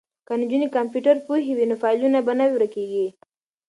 که نجونې کمپیوټر پوهې وي نو فایلونه به نه ورکیږي.